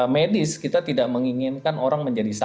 secara medis kita tidak menginginkan orang menjaga keadaan